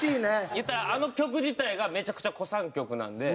言ったらあの曲自体がめちゃくちゃ古参曲なんで。